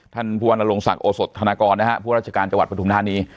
ท่านภูวาลงศักดิ์โอสตธนกรพวกราชการจวัตรประธุมธานี